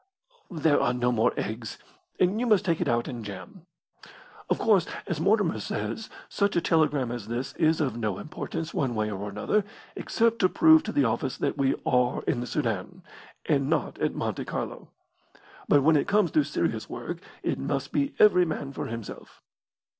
There are no more eggs, and you must take it out in jam. Of course, as Mortimer says, such a telegram as this is of no importance one way or another, except to prove to the office that we are in the Soudan, and not at Monte Carlo. But when it comes to serious work it must be every man for himself."